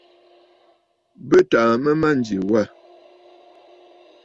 Bɨ tàà mə̂ a mânjì wâ.